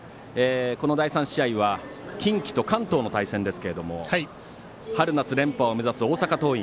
この第３試合は近畿と関東の対戦ですが春夏連覇を目指す大阪桐蔭。